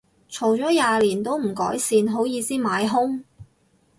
嘈咗廿年都唔改善，好意思買兇